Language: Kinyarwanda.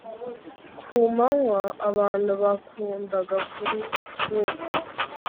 ku manywa, abantu bakundaga kuruhuka